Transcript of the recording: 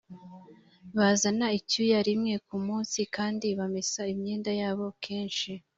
bazana icyuya rimwe ku munsi kandi bamesa imyenda yabo kenshi.